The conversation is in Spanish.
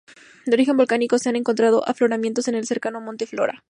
De origen volcánico, se han encontrado afloramientos en el cercano monte Flora.